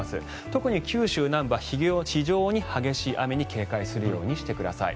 特に九州南部は非常に激しい雨に警戒するようにしてください。